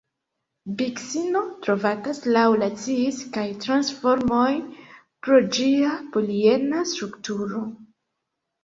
Biksino trovatas laŭ la cis kaj trans formoj pro ĝia poliena strukturo.